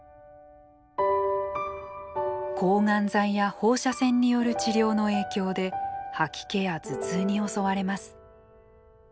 抗がん剤や放射線による治療の影響で吐き気や頭痛に襲われます。